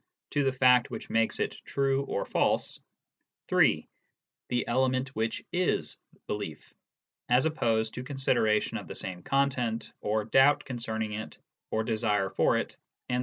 to the fact which makes it true or false, (3) the element which is belief, as opposed to consideration of the same content, or doubt con HOW PROPOSITIONS MEAN. 25 cerning it, or desire for it, etc.